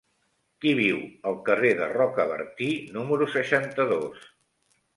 Qui viu al carrer de Rocabertí número seixanta-dos?